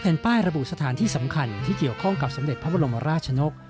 ป้ายระบุสถานที่สำคัญที่เกี่ยวข้องกับสมเด็จพระบรมราชนก